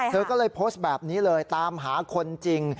เธอก็เลยโพสต์แบบนี้เลยตามหาคนจริง